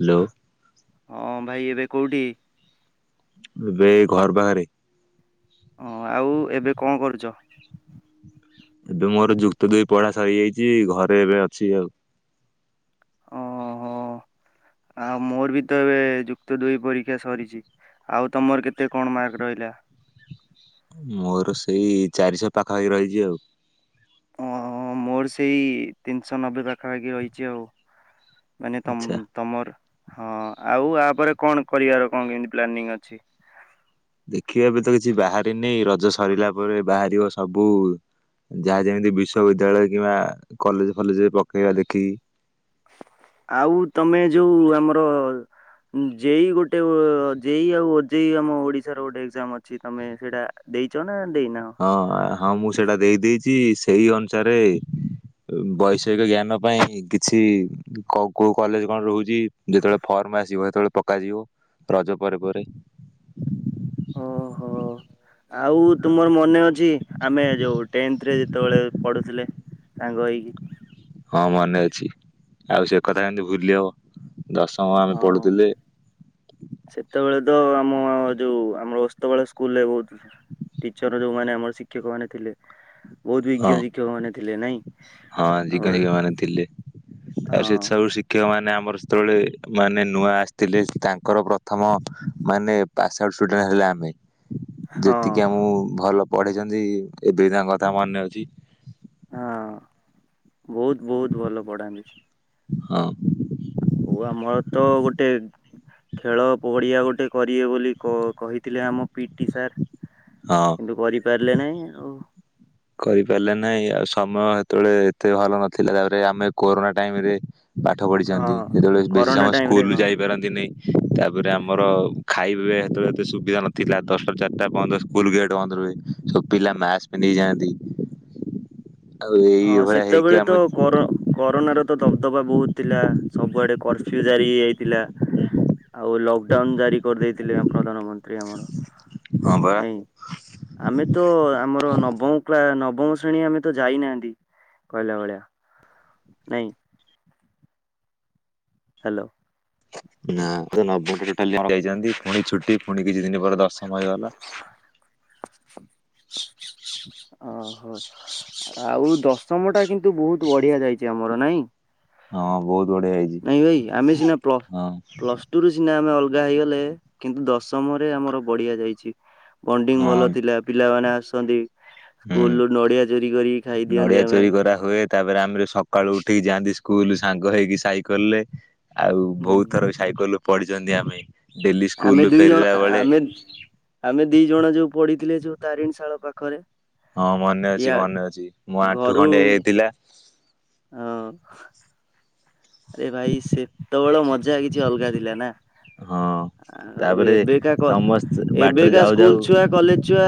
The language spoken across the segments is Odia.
ହ୍ୟାଲୋ। ହଁ ଭାଇ ଏବେ କୋଉଠି? ଏବେ ଏ ଘର ପାଖରେ। ହଁ ଆଉ ଏବେ କଣ କରୁଚ? ଏବେ ମୋର ଯୁକ୍ତ ଦୁଇ ପଢା ସରିଯାଇଚି ଘରେ ଏବେ ଅଛି ଆଉ। ଅ ହଁ ଆଉ ମୋର ବି ତ ଏବେ ଯୁକ୍ତ ଦୁଇ ପରୀକ୍ଷା ସରିଚି। ଆଉ ତମର କେତେ କଣ ମାର୍କ ରହିଲା? ମୋର ସେଇ ଚାରିଶହ ପାଖପାଖି ରହିଚି ଆଉ। ଓ ମୋର ସେଇ ତିନିଶହ ନବେ ପାଖାପାଖି ରହିଚି ଆଉ। ମାନେ ତ ଆଚ୍ଛା। ତମର ହଁ ଆଉ ତାପରେ କଣ କରିବାର କଣ କେମତି ପ୍ଲାନିଂ ଅଛି? ଦେଖିବା ଏବେ ତ କିଛି ବାହାରିନି ରଜ ସରିଲା ପରେ ବାହାରିବ ସବୁ ଯାହା ଯେମିତି ବିଶ୍ବିଦ୍ୟାଳୟ କିମ୍ବା କଲେଜେ ଫଲେଜେ ରେ ପକେଇବା ଦେଖି। ଆଉ ତମେ ଯୋଉ ଆମର ଯେଇ ଗୋଟେ ଯେଇ ଆଉ ଅ ଓଜେଇ ଆମ ଓଡିଶାର ଗୋଟେ ଏକ୍ଜାମ ଅଛି ତମେ ସେଇଟା ଦେଇଚ ନା ଦେଇନାହଁ? ହଁ ହଁ ମୁଁ ସେଇଟା ଦେଇ ଦେଇଚି ସେଇ ଅନୁସାରେ ଏ ବୈଷୟିକ ଜ୍ଞାନ ପାଇଁ କିଛି କୋଉ କୋଉ କଲେଜ କଣ ରହୁଛି? ଯେତେବେଳେ ଫର୍ମ ଆସିବ ସେତେବେଳେ ପକାଯିବ ରଜ ପରେ ପରେ। ଓହୋ। ଆଉ ତୁମର ମନେ ଅଛି ଆମେ ଯୋଉ ଟେନ୍ଥ ରେ ଯେତେବେଳେ ପଢୁଥିଲେ। ସାଙ୍ଗ ହେଇକି। ହଁ ମନେ ଅଛି। ଆଉ ସେ କଥା କେମିତି ଭୁଲି ହବ? ଦଶମ ଆମେ ହଁ। ପଢ଼ୁଥିଲେ। ସେତେବେଳେ ତ ଆମ ଯୋଉ ଆମର ଅସ୍ତବାଳା ସ୍କୁଲରେ ବହୁତ। ଟିଚର ଯୋଉମାନେ ଆମର ଶିକ୍ଷକ ମାନେ ଥିଲେ। ବହୁତ ହଁ ବିଜ୍ଞ ଶିକ୍ଷକ ମାନେ ଥିଲେ ନାଇଁ ଆମର। ତା ହଁ ସେ ସବୁ ଶି ମୁଖ୍ୟ ମାନେ ଆମର ସେତେବେଳେ ମାନେ ନୂଆ ଆସିଥିଲେ ତାଙ୍କର ପ୍ରଥମ ମାନେ। ପାସ୍ ଆଉଟ ଷ୍ଟୁଡେଣ୍ଟ ହେଲେ ଆମେ। ହଁ ଯେତିକି ଆମକୁ ଭଲ ପଢେଇଛନ୍ତି ଏବେ ବି ତାଙ୍କ କଥା ମନେ ଅଛି। ହଁ ବହୁତ ବହୁତ ଭଲ ପଢାନ୍ତି। ହଁ। ଓ ଆମର ତ ଗୋଟେ। ଖେଳ ପଡିଆ ଗୋଟେ କରିବେ ବୋଲି କ-କହିଥିଲେ ଆମ ପିଟି ସାର୍। ହଁ। କିନ୍ତୁ କରିପାରିଲେ ନାହିଁ ଆଉ। କରିପାରିଲେ ନାଇଁ ଆଉ ସମୟ ସେତେବେଳେ ଏତେ ଭଲ ନଥିଲା ତାପରେ ଆମେ କୋରୋନା ଟାଇମରେ। ପାଠ ହଁ ପଢ଼ିଛନ୍ତି ଯେତେବେଳେ ବେଶୀ କରୋନା ସମୟ ଟାଇମ ରେ ସ୍କୁଲ ହଁ। ଯାଇପାରନ୍ତିନି। ତାପରେ ଆମର ଖାଇବା ସେତେବେଳେ ଏତେ ସୁବିଧା ନଥିଲା ଦଶଟାରୁ ଚାରିଟା ପର୍ଯ୍ୟନ୍ତ ସ୍କୁଲ ଗେଟ ବନ୍ଦ ରୁହେ। ସବୁ ପିଲା ମାସ୍କ ପିନ୍ଧିକି ଯାଆନ୍ତି ଆଉ ହଁ ଏଇଭଳିଆ ହେଇକି ସେତେବେଳେ ତ ଆମ। କରୋ କରୋନାର ତ ଦବଦବା ବହୁତ ଥିଲା ସବୁଆଡେ କର୍ଫ୍ୟୁ ଜାରି ହେଇଯାଇଥିଲା। ଆଉ ଲକଡାଉନ ଜାରି କରିଦେଇଥିଲେ ଅ ପ୍ରଧାନମନ୍ତ୍ରୀ ଆମର ହଁ ପରା ନାଇଁ। ଆମେ ତ ଆମର ନବମ କ୍ଲା ନବମ ଶ୍ରେଣୀ ଆମେ ତ ଯାଇନା ତି କହିଲା ଭଳିଆ ନାଇଁ। ହାଲୋ। ନା ନବମ ଟୋଟାଲ [unintelligible] ଯାଇଛନ୍ତି ପୁଣି ଛୁଟି ପୁଣି କିଛି ଦିନ ପରେ ଦଶମ ହେଇଗଲା। ଓ ହୋ। ଆଉ ଦଶମ ଟା କିନ୍ତୁ ବହୁତ ବଢିଆ ଯାଇଛି ଆମର ନାଇଁ। ହଁ ବହୁତ ବଢିଆ ହେଇଛି ନାଇଁ ଭାଇ ଆମେ ସିନା ପ୍ଳ ହଁ ପ୍ଲସ ଟୁ ରୁ ସିନା ଆମେ ଅଲଗା ହେଇଗଲେ କିନ୍ତୁ ଦଶମରେ ଆମର ବଢିଆ ଯାଇଛି। ବଣ୍ଡିଙ୍ଗ ହଁ ଭଲ ଥିଲା। ପିଲାମାନେ ଆସନ୍ତି। ହୁଁ। ସ୍କୁଲରୁ ନଡ଼ିଆ ଚୋରି କରି ଖାଇଦିଅନ୍ତି ଆମେ। ହୁଏ ତାପରେ ଆମେ ସକାଳୁ ଉଠିକି ଯାଆନ୍ତି ସ୍କୁଲ ସାଙ୍ଗ ହେଇକି ସାଇକେଲରେ। ଆଉ ହୁଁ ବହୁତ ଥର ସାଇକେଲରୁ ପଡିଛନ୍ତି ଆମେ ଡେଲି ଆମେ ସ୍କୁଲ ଦି ଜଣ ଫେରିଲା ବେଳେ। ଆମେ ଆମେ ଦି ଜଣ ଯୋଉ ପଡିଥିଲେ ଯୋଉ ତାରିଣୀ ଶାଳ ପାଖରେ। ହଁ ମନେ ଅଛି ୟା ମନେ ଅଛି ମୋ ଆଣ୍ଠୁ ଘରୁ ଖଣ୍ଡିଆ ହେଇଥିଲା। ହଁ। ଆରେ ଭାଇ ସେତେବେଳେ ମଜା କିଛି ଅଲଗା ଥିଲା ନା। ହଁ ଆଉ ତାପରେ ଏବେକା କ ସମସ୍ତେ ବାଟରେ ଏବେକା ଯାଉ ଯାଉ ସ୍କୁଲ ଛୁଆ। କଲେଜ ଛୁଆ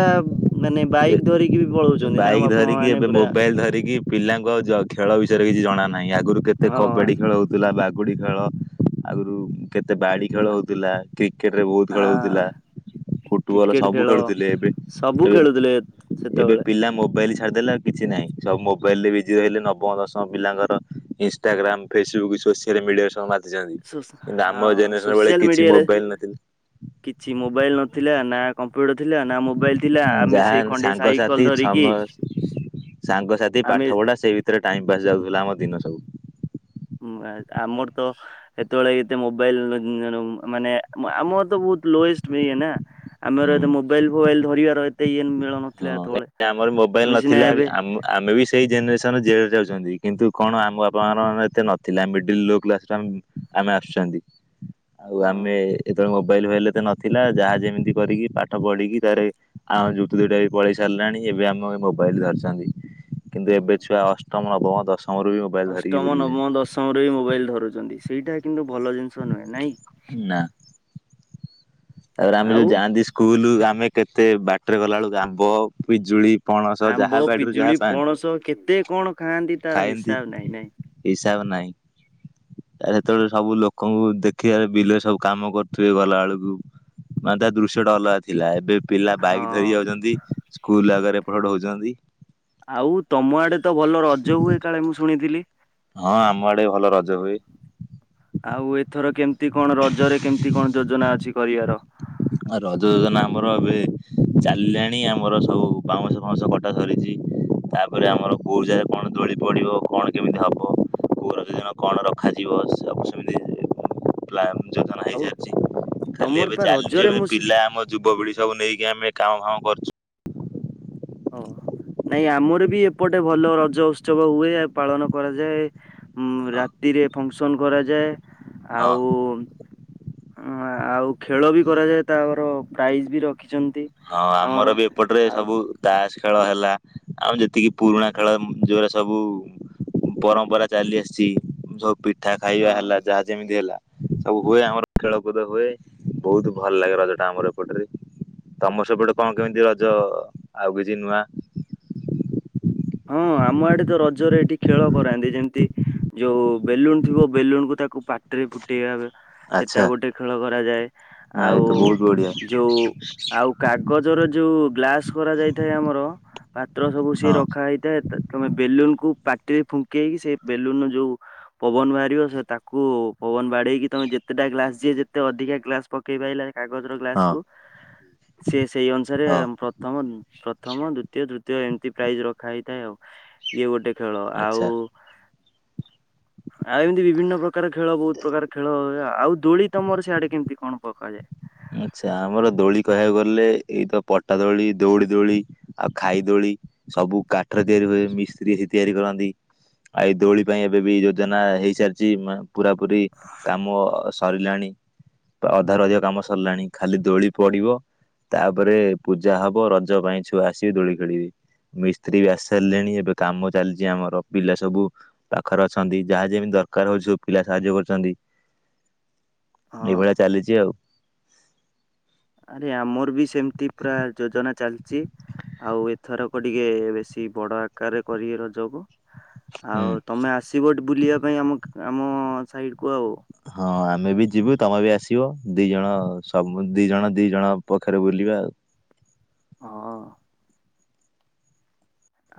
ମାନେ ବାଇକ୍ ଧରିକି ବି ପଳଉଛନ୍ତି ତାଙ୍କ ବାପା, ମା ମାନେ ପୁରା। ସାଇକେଲ ଧରିକି। ପିଲାଙ୍କ ଜ ଖେଳ ବିଷୟରେ କିଛି ଜଣା ନାହିଁ ଆଗରୁ କେତେ ହଁ କବାଡି ଖେଳ ହଉଥିଲା। ବାଗୁଡି ଖେଳ। ଆଗରୁ କେତେ ବାଡି ଖେଳ ହଉଥିଲା କି କେଟ ରେ ବହୁତ ଆ ଖେଳହଉଥିଲା ଫୁଟବଲ କ୍ରିକେଟ ସବୁ ଖେଳ ଖେଳୁଥିଲି ଏବେ ସବୁ ଏବେ ଖେଳୁଥିଲେ ଏବେ ସେତେବେଳେ। ପିଲା ମୋବାଇଲ ଛାଡିଦେଲା କିଛି ନାହିଁ ସବୁ ମୋବାଇଲରେ ବିଜି ରହିଲେ ନବ ଦଶମ ପିଲାଙ୍କର ଇନଷ୍ଟାଗ୍ରାମ ଫେସବୁକ୍ ସୋସିଆଲ୍ ମିଡ଼ିଆରେ ସବୁ ମାତିଚନ୍ତି କିନ୍ତୁ ଆମ ହଁ ଜେନେରେସନ୍ ବେଳେ ସୋସିଆଲ କିଛି ମିଡିଆରେ ମୋବାଇଲ୍ ନଥିଲା କିଛି ମୋବାଇଲ ନଥିଲା ନା କମ୍ପ୍ୟୁଟର ଥିଲା ନା ମୋବାଇଲ ଥିଲା ଆମେ ଯାହା ସେଇ ଖଣ୍ଡେ ସାଇକେଲ ସାଙ୍ଗସାଥି ଧରିକି ସମ ସାଙ୍ଗସାଥି ଆମେ ପାଠ ପଢା ସେ ସେଥିରେ ଟାଇମ୍ ପାସ୍ ଯାଉଥିଲା ଆମ ଦିନ ସବୁ। ହୁଁ ଆଁ ଆମର ତ ସେତେବେଳେ ଏତେ ମୋବାଇଲ ମାନେ ମ ଆମର ତ ବହୁତ ଲୋଏଷ୍ଟ ପି ଇଏ ନା ଆମର ହୁଁ ଏତେ ମୋବାଇଲ ଫୋବାଇଲ ଧରିବାର ଏତେ ଇଏ ମିଳନ ହଁ କାହିଁକି ନା ଆମର ମୋବାଇଲ ନଥିଲା ଆମ ଆମେ ବି ସେ ସେଇ ଜେନେରେସନ୍ ଜେଡ଼େ ଯାଉଚନ୍ତି କିନ୍ତୁ କଣ ଆମ ବାପା ମାଙ୍କ ମାନ ଏତେ ନଥିଲା ମିଡିଲ୍ ଲୋ କ୍ଲାସ ଆମେ ଆମେ ଆସୁଛନ୍ତି ଆଉ ହଁ ଆମେ ଯେତେବେଳେ ମୋବାଇଲ ଫୋବାଇଲି ଏତେ ନଥିଲା ଯାହା ଯେମିତି କରିକି ପାଠ ପଢ଼ିକି ତାର ଆଉ ଯୁକ୍ତ ଦୁଇଟା ପଳେଇ ସାରିଲାଣି ଏବେ ଆମ ମୋବାଇଲ ଧରିଚନ୍ତି କିନ୍ତୁ ଏବେ ଛୁଆ ଅଷ୍ଟ ଅଷ୍ଟମ ନବମ ଦଶମ ରୁ ବି ମୋ ଅଷ୍ଟମ, ନବମ ଦଶମରୁ ବି ମୋବାଇଲ ଧରୁଚ ନ୍ତି ସେଇଟା କିନ୍ତୁ ଭଲ ଜିନିଷ ନୁହେଁ ନାଇ କି? ନା। ଆଉ ଆମେ ଯୋଉ ଯାଆନ୍ତି ସ୍କୁଲ ଆମେ କେତେ ବାଟରେ ଗଲାବେଳକୁ ଆମ୍ବ, ପିଜୁଳି ପଣସ ଆମ୍ବ, ଯାହା ବାଡିରୁ ପିଜୁଳି, ପଣସ କେତେ କଣ ଖାଆନ୍ତି। ତାର ଖାଏନ୍ତି ହିସାବ ନାହିଁ ନାଇଁ ହିସାବ ନାହିଁ। ଆ ସେତେବେଳେ ସବୁ ଲୋକଙ୍କୁ ଦେଖିବାରେ ବିଲରେ ସବୁ କାମ କରୁଥିବେ ଗଲା ବେଳକୁ। ମାତା ଦୃଶ୍ୟ ଟା ଅଲଗା ଥିଲା ଏବେ ପିଲା ବାଇକ୍ ଧରି ହଁ ଯାଉଚନ୍ତି ସ୍କୁଲ ଆଗରେ ଏପଟ ସେପଟ ହୋଉଚନ୍ତି। ଆଉ ତମ ଆଡେ ତ ଭଲ ରଜ ହୁଏ କାଳେ ମୁଁ ଶୁଣିଥିଲି? ହଁ ଆମ ଆଡେ ବି ଭଲ ରଜ ହୁଏ। ଆଉ ଏଥର କେମିତି କଣ ରଜରେ କେମିତି କଣ ଯୋଜନା ଅଛି କରିବାର? ଆ ରଜ ଯୋଜନା ଆମର ଏବେ ଚାଲିଲାଣି ଆମର ସବୁ ବାଉଁଶ ଫାଉଁଶ କଟା ସରିଚି। ତାପରେ ଆମର କୋଉ ଜାଗାରେ କଣ ଦୋଳି ପଡିବ କଣ କେମିତି ହବ କୋଉ ରଜଦିନ କଣ ରଖାଯିବ ସବୁ ସେମିତି ପ୍ଳାନ ଯୋଜନା ଆଉ ହେଇସାରିଚି ଖାଲି ତମର ଏବେ ପା ଚାଲିଚି ରଜରେ ଏବେ ମୁଁ ଶୁ ପିଲା ଆମର ଯୁବପିଢି ସବୁ ନେଇକି ଆମେ କାମ ଫାମ କରୁଚୁ। ଓ ନାଇଁ ଆମର ବି ଏପଟେ ଭଲ ରଜ ଉତ୍ସବ ହୁଏ ଆଉ ପାଳନ କରାଯାଏ। ଉଁ ହଁ। ରାତିରେ ଫଙ୍କସନ୍ କରାଯାଏ ହଁ। ଆଉ ଉଁ ଅଁ ଆଉ ଖେଳ ବି କରାଯାଏ ତାପର ପ୍ରାଇଜ୍ ବି ରଖ ରଖିଚନ୍ତି ହଁ ଆମର ବି ଏପଟରେ ଆଉ ସବୁ ତାସ ଖେଳ ହେଲା ଆଉ ଯେତିକି ପୁରୁଣା ଖେଳ ଯୋରା ସବୁ ପରମ୍ପରା ଚାଲି ଆସିଚି ଯୋଉ ପିଠା ଖାଇବା ହଁ। ହେଲା ଯାହା ଯେମିତି ହେଲା ସବୁ ହୁଏ ଆମର ଖେଳ କୁଦ ହୁଏ ବହୁତ ଭଲ ଲାଗେ ରଜ ଟା ଆମର ଏପଟରେ। ତମର ସେପଟେ କଣ କେମିତି ରଜ ଆଉ କିଛି ନୂଆ ହଁ ଆମ ଆଡେ ତ ରଜରେ ଏଠି ଖେଳ କରାନ୍ତି ଯେମିତି ଯୋଉ ବେଲୁନ ଥିବ ବେଲୁନ କୁ ତାକୁ ପା ଟିରେ ଫୁଟେଇ ଆଚ୍ଛା ସେଟା ଗୋଟେ ଖେଳ କରାଯାଏ ଏଇ ଆଉ ତ ବହୁତ ବଢିଆ ଯଉ ଆଉ କାଗଜରେ ଯୋଉ ଗ୍ଲାସ କରାଯାଇଥାଏ ଆମର ପାତ୍ର ସବୁ ସିଏ ହଁ ରଖ ରଖା ହେଇଥାଏ ତ ତମେ ବେଲୁନ କୁ ପାଟିରେ ଫୁଙ୍କିଇକି ସେ ବେଲୁନ ଯୋଉ ପବନ ବାହାରିବ ସେ ତାକୁ ପବନ ବାଡେଇକି ତମେ ଯେତେଟା ଗ୍ଲାସ ଯିଏ ଯେତେ ଅଧିକା ଗ୍ଲାସ ପକେଇ ପାଇଲା କାଗଜର ହଁ ଗ୍ଲାସକୁୁ ସେ ସେଇ ଅନୁସାରେ ହଁ ପ୍ର ପ୍ରଥମ ପ୍ରଥମ, ଦ୍ଵିତୀୟ, ତୃତୀୟ ଏମିତି ପ୍ରାଇଜ ରଖା ହେଇଥାଏ ଆଉ। ଇଏ ଗୋଟେ ଖେଳ, ଆଉ ଆଚ୍ଛା ଆଉ ଏମିତି ବିଭିନ୍ନ ପ୍ରକାର ଖେଳ ବହୁତ ପ୍ରକାର ଖେଳ, ଆଉ ଦୋଳି ତମର ସେଆଡେ କେମିତି କଣ ପକାଯାଏ? ଆଚ୍ଛା, ଆମର ଦୋଳି କହିବାକୁ ଗଲେ ଏଇତ ପଟା ଦୋଳି, ଦଉଡି ଦୋଳି। ଆଉ ଖାଇ ଦୋଳି, ସବୁ କାଠରେ ତିଆରି ହୁଏ ମିସ୍ତ୍ରୀ ତିଆରି ହି କରନ୍ତି। ଆ ଏଇ ଦୋଳି ପାଇଁ ଏବେ ବି ଯୋଜନା ହେଇସାରିଛି ମାନେ ପୁରା ପୁରି କାମ ସରିଲାଣି ବା ଅଧାରୁ ଅଧିକ କାମ ସରିଲାଣି ଖାଲି ଦୋଳି ପଡିବ। ତାପରେ ପୂଜା ହବ ରଜ ପାଇଁ ଛୁଆ ଆସିବେ ଦୋଳି ଖେଳିବେ। ମିସ୍ତ୍ରୀ ବି ଆସିସାରିଲେଣି ଏବେ କାମ ଚାଲିଛି ଆମର ପିଲା ସବୁ ପାଖରେ ଅଛନ୍ତି ଯାହା ଯେମିତି ଦରକାର ହଉଛି ସବୁ ପିଲା ସାହାଯ୍ୟ କରୁଛନ୍ତି। [inaudible] ହଁ ଏଇଭଳିଆ ଚାଲିଛି ଆଉ। ଆରେ ଆମର ବି ସେମିତି ପୁରା ଯୋଜନା ଚାଲିଚି। ଆଉ ଏଥରକ ଟିକେ ବେଶୀ ବଡ ଆକାରରେ କରିବେ ରଜକୁ। ହୁଁ। ଆଉ ତମେ ଆସିବ ଏଠି ବୁଲିବା ପାଇଁ ଆମ ଆମ ସାଇଡ଼କୁ ଆଉ। ହଁ ଆମେ ବି ଯିବୁ ତମେ ବି ଆସିବ ଦି ଜଣ ସମୁ ଦି ଜଣ ଦି ଜଣ ପଖାରେ ବୁଲିବା ଆଉ। ହଁ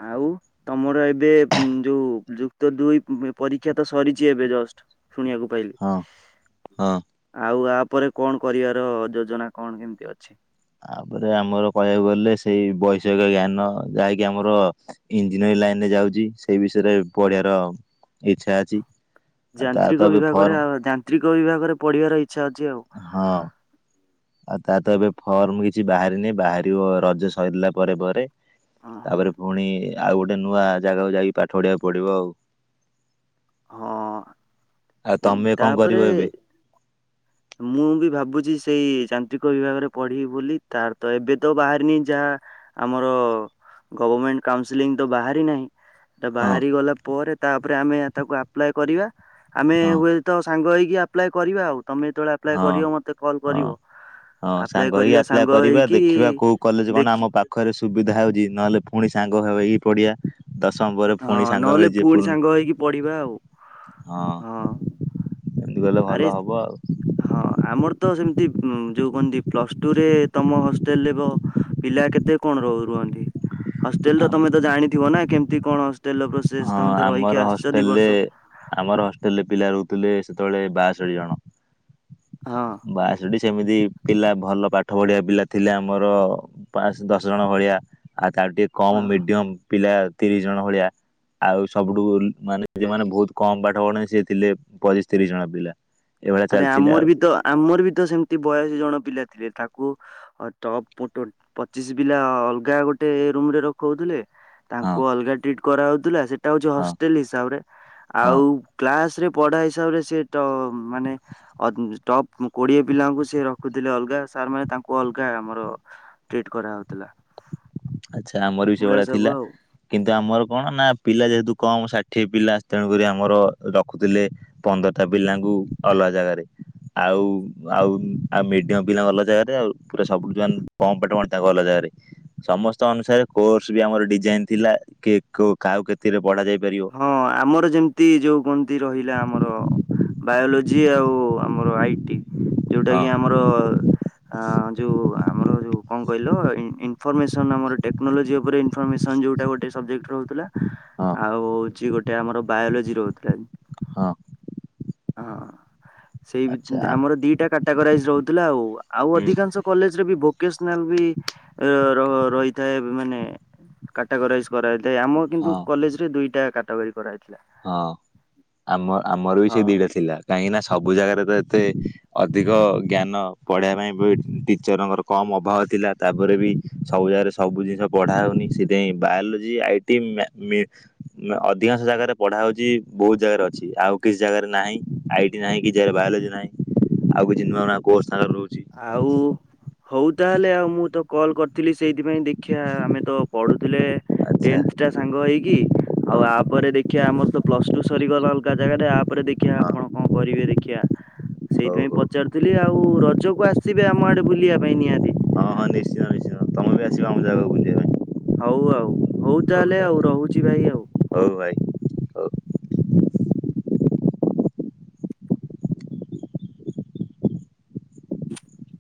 ଆଉ ତମର ଏବେ ଉଁ ଯୋଉ ଯୁକ୍ତ ଦୁଇ ପରୀକ୍ଷା ତ ସରିଛି ଏବେ ଜଷ୍ଟ। ଶୁଣିବାକୁ ପାଇଲି। ହଁ ହଁ। ଆଉ ଆପରେ କଣ କରିବାର ଯୋଜନା କଣ କେମିତି ଅଛି? ଆପରେ ଆମର କହିବାକୁ ଗଲେ ସେଇ ବୈଷୟିକ ଜ୍ଞାନ ଯାହାକି ଆମର ଇଞ୍ଜିନିୟରିଂ ଲାଇନରେ ଯାଉଛି ସେଇ ବିଷୟରେ ପଢ଼ିବାର ଇଚ୍ଛା ଅଛି। ଆଉ ତା ତ ଯାନ୍ତ୍ରିକ ଏବେ ବିଭାଗରେ ଫର୍ମ ଆ ଯାନ୍ତ୍ରିକ ବିଭାଗରେ ପଢ଼ିବାର ଇଚ୍ଛା ଅଛି ଆଉ। ହଁ। ଆଉ ତାର ତ ଏବେ ଫର୍ମ କିଛି ବାହାରିନେଇ ବାହାରିବ ରଜ ସରିିଲା ପରେ ପରେ? ଓହୋ ତାପରେ ପୁଣି ଆଉ ଗୋଟେ ନୂଆ ଜାଗାକୁ ଯାଇକି ପାଠ ପଢିବାକୁ ପଡ଼ିବ ଆଉ। ହଁ ଆଉ ଉଁ ତମେ କଣ ତାପରେ କରିବ ଏବେ ମୁଁ ବି ଭାବୁଛି ସେଇ ଯାନ୍ତ୍ରିକ ବିଭାଗରେ ପଢ଼ିବି ବୋଲି ତାର ତ ଏବେ ତ ବାହାରିନି ଯା ଆମର ଗଭରମେଣ୍ଟ କାଉସିଲଂ ତ ବାହାରି ନାହିଁ ତା ହଁ ବାହାରି ଗଲା ପରେ ତାପରେ ଆମେ ତାକୁ ଆପ୍ଲାଏ କରିବା, ଆମେ ହଁ ହୁଏ ତ ସାଙ୍ଗ ହେଇକି ଆପ୍ଲାଏ କରିବା ଆଉ ତମେ ଯେତେବେଳେ ଆପ୍ଲାଏ ହଁ କରିବ ମତେ କଲ୍ ହଁ କରିବ। ହଁ ଆପ୍ଲାଏ ସାଙ୍ଗ ହେଇ କରିବା ଆପ୍ଲାଏ ସାଙ୍ଗ କରିବା ହେଇକି ଦେଖିବା କୋଉ କଲେଜ କଣ ଦେଖି ଆମ ପା ଖରେ ସୁବିଧା ହଉଛି ନହେଲେ ଫୁଣି ସାଙ୍ଗ ହେଇ ପଡ଼ିବା, ଦଶମ ପରେ ଫୁଣି ସାଙ୍ଗ ମିଳିଯିବେ ପୁଣି। ପଢ଼ିବା ଆଉ ହଁ ଗଲେ ଆରେ ଭଲ ହବ ଆଉ। ହଁ ଆମର ତ ସେମିତି ଉଁ ଯୋଉ କଣତି ପ୍ଲସ୍ଟୁରେ ତମ ହଷ୍ଟେଲରେ କ ପିଲା କେତେ କଣ ରହୁ ରୁହନ୍ତି? ହଷ୍ଟେଲର ତ ଆମ ତମେ ତ ଜାଣିଥିବ ନା କେମତି କଣ ହଷ୍ଟେଲର ଅବସ୍ ହଁ ଆମର ହଷ୍ଟେଲରେ ଆମର ହଷ୍ଟେଲରେ ପିଲା ରହୁଥିଲେ ସେତେବେଳେ ବାଆଷଠି ଜଣ। ହଁ ବାଆଷଠି ସେମିତି ପିଲା ଭଲ ପାଠ ପଢ଼ିବା ପିଲା ଥିଲେ ଆମର ପାସ୍ ଦଶ ଜଣ ଭଳିଆ, ଆଉ ତାଠୁ ଟିକେ କମ୍ ହଁ। ମିଡିୟମ୍ ପିଲା ତିରିଶ ଜଣ ଭଳିଆ। ଆଉ ସବୁଠୁ ମାନେ ଯୋଉମାନେେ ବହୁତ କମ ପାଠ ପଢ଼େ ସେ ଥିଲେ ପଚିଶ ତିରିଶ ଜଣ ପିଲା। ଏଇଭଳିଆ ଆରେ ଚାଲିଥିଲା ଆମର ଆଉ ବି ତ ଆମର ବି ତ ସେମିତି ବୟାଶୀ ଜଣ ପିଲା ଥିଲେ ତାକୁ ଆଉ ଟପ୍ ଟୋ ପଚିଶ ପିଲା ଅଲଗା ଗୋଟେ ରୁମରେ ରଖଉଥିଲେ। ହଁ ତାଙ୍କୁ ଅଲଗା ଟ୍ରିଟ କରାହଉଥିଲା ସେଇଟା ହଉଛି ହଁ ହଷ୍ଟେଲ ହିସାବରେ ହଁ ଆଉ କ୍ଲାସରେ ପଢା ହିସାବରେ ସେ ତ ମାନେ ଟପ୍ କୋଡିଏ ପିଲାଙ୍କୁ ସେ ରଖୁଥିଲେ ଅଲଗା ସାର୍ ମେ ତାଙ୍କୁ ଅଲଗା ଆମର ଟ୍ରିଟ କରାହଉଥିଲା। ଆଚ୍ଛା ଆମର ବି ଏଭଳିଆ ସେଭଳିଆ ସବୁ ଥିଲା। ଆଉ କିନ୍ତୁ ଆମର କଣ ନା ପିଲା ଯେହେତୁ କମ ଷାଠିଏ ପିଲା ତେଣୁ କରି ଆମର ରଖୁଥିଲେ ପନ୍ଦରଟା ପିଲାଙ୍କୁ ଅଲଗା ଜାଗାରେ। ଆଉ ଆଉ ଆଉ ମିଡିମ ପିଲାଙ୍କ ଅଲଗା ଜାଗାରେ ଆଉ ପୁରା ସବୁ ଜାଙ୍କ କମ ପାଠ ପଡ଼ିଥିବା ତାଙ୍କୁ ଅଲଗା ଜାଗାରେ। ସମସ୍ତ ଅନୁସାରେ କୋର୍ସ ବି ଆମର ଡିଜାଇନ ଥିଲା କି କୋଉ କାହାକୁ କେତିକିରେ ପଢା ଯାଇ ପାରିବ। ହଁ ଆମର ଯେମିତି ଯୋଉ କଣନ୍ତି ରହିଲା ଆମର ବାୟୋଲୋଜି ଆଉ ଆମର ଆଇଟି ଯୋଉଟା ହଁ କି ଆମର ଆ ଯୋଉ ଆମର ଯୋଉ କଣ କହିଲ ଇନଫର୍ମେସନ ଆମର ଟେକ୍ନୋଲୋଜି ଉପରେ ଇନ ଇନ୍ଫର୍ମେସନ ଯୋଉଟା ଗୋଟେ ସବଜେକଟ ରହୁଥିଲା। ହଁ ଆଉ ହଉଛି ଗୋଟେ ଆମର ବାୟୋଲୋଜି ରହୁଥିଲା। ହଁ ହଁ ସେଇ ଭି ଆଚ୍ଛା ଆମର ଦିଟା କାଟାଗୋରାଇଜ ରହୁଥିଲା ଆଉ ଆଉ ହୁଁ ଅଧିକାଂଶ କଲେଜରେ ବି ବୋ ଭୋକେନ୍ସନାଲ ବି ର ରହିଥାଏ ମାନେ କାଟାଗୋରାଇଜ କରାଯାଇଥାଏ ଆମ କିନ୍ତୁ ହଁ କଲେଜରେ ଦୁଇଟା କାଟାଗୋରି କରାଯାଇଥିଲା। ହଁ ଆମ ଆମର ବି ସେ ହଁ। ଦିଟା ଥିଲା କାହିଁକି ନା ସବୁ ଜାଗାରେ ତ ଏତେ ଅଧିକ ଜ୍ଞାନ ପଢିବା ପାଇଁ ବି ଟିଚରଙ୍କର କମ୍ ଅଭାବ ଥିଲା ତାପରେ ବି ସବୁ ଜାଗାରେ ସବୁ ଜିନିଷ ପଢା ହଉନି ସେଇଥିପାଇଁ ବାୟୋଲୋଜି ଆଇଟି ମ୍ୟା ମି ଅଧିକାଂଶ ଜାଗାରେ। ପଢା ହଉଛି ବହୁତ ଜାଗାରେ ଅଛି ଆଉ କିଛି ଜାଗାରେ ନାହିଁ ଆଇ ଟି ନାହିଁ କି ଜୟ ବାୟୋଲୋଜି ନାହିଁ। ଆଉ କିଛି ନୂଆ ନୂଆ କୋରସ ସାଙ୍ଗରେ ରହୁଛି। ଆଉ ହଉ ତାହେଲେ ଆଉ ମୁଁ ତ କଲ୍ କରିଥିଲି ସେଇଥିପାଇଁ ଦେଖି ଶିକ୍ଷା ଆମେ ତ ପଢୁଥିଲେ। ଆଚ୍ଛା ଟେନ୍ଥ ଟା ସାଙ୍ଗ ହେଇକି ହଁ ଆଉ ଆପରେ ଦେଖିବା ଆମର ତ ପ୍ଲସ୍ ଟୁ ସରିଗଲା ଅଲଗା ଜାଗାରେ ଆପରେ ହଁ ଦେଖିବା ଆପଣ କଣ କରିବେ ଦେଖିବା ହଉ ସେଇଥିପାଇଁ ହଉ ପ ପଚାରୁଥିଲି ଆଉ ରଜକୁ ଆସିବେ ଆମ ଆଡେ ବୁଲିବା ପାଇଁ ନିହାତି। ହଁ ହଁ ନିଶ୍ଚିନ୍ତ ନିଶ୍ଚିନ୍ତ ତମେ ବି ଆସିବ ଆମ ଜାଗାକୁ ବୁଲିବାକୁ। ହଉ ଆଉ ହଉ ତାହେଲେ ଆଉ ରହୁଛି ଭାଇ ଆଉ। ହଉ ଭାଇ। ହଉ।